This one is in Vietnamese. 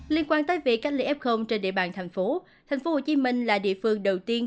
liên quan tới việc cách ly f trên địa bàn thành phố thành phố hồ chí minh là địa phương đầu tiên